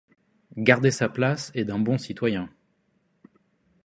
Garder sa place est d’un bon citoyen.